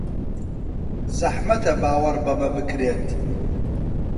زەحمەتە باوەڕ بەمە بکرێت.